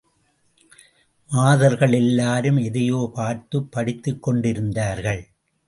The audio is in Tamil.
மாதர்களெல்லாரும் எதையோ பார்த்துப் படித்துக் கொண்டிருந்தார்கள்.